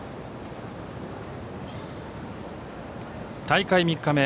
大会３日目。